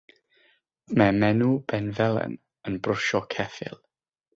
Mae menyw benfelen yn brwsio ceffyl.